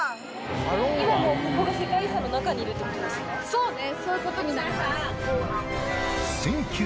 そうね。